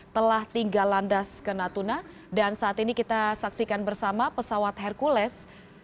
telah tinggal landas ke natuna dan saat ini kita saksikan bersama pesawat hercules